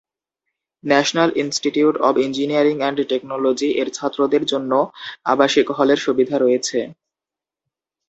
National institute of engineering and technology এর ছাত্রদের জন্য আবাসিক হলের সুবিধা রয়েছে।